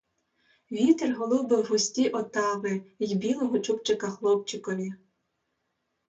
Вітер голубив густі отави й білого чубчика хлопчикові.